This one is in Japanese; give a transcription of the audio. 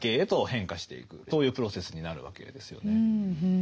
そういうプロセスになるわけですよね。